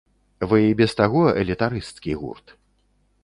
Вы і без таго элітарысцскі гурт.